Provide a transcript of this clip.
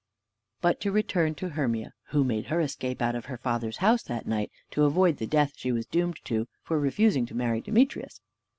But to return to Hermia, who made her escape out of her father's house that night, to avoid the death she was doomed to for refusing to marry Demetrius.